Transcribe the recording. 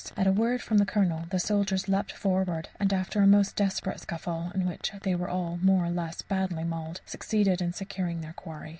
At a word from the Colonel the soldiers leaped forward, and after a most desperate scuffle, in which they were all more or less badly mauled, succeeded in securing their quarry.